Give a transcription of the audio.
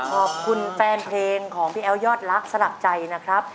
ขอบคุณแฟนเพลงของพี่แอ๋วยอดรักสลักใจนะครับ